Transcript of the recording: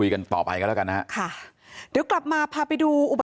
เดี๋ยวกลับมาพาไปดูอุบัติฐาน